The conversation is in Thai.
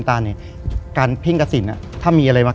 คือก่อนอื่นพี่แจ็คผมได้ตั้งชื่อ